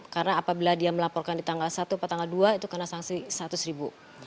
karena apabila dia melaporkan di tanggal satu atau tanggal dua itu kena saksi rp seratus